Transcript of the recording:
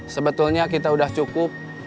sebetulnya kita udah cukup